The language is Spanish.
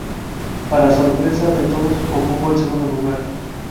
Para sorpresa de todos ocupó el segundo lugar.